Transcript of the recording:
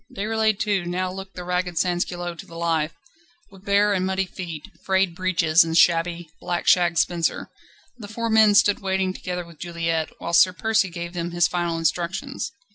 Déroulède too now looked the ragged sansculotte to the life, with bare and muddy feet, frayed breeches, and shabby, black shag spencer. The four men stood waiting together with Juliette, whilst Sir Percy gave them his final instructions.